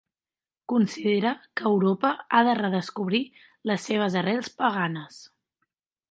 Considera que Europa ha de redescobrir les seves arrels paganes.